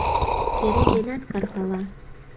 Керем денат каркала